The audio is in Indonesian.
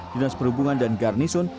dinas perhubungan dan garnison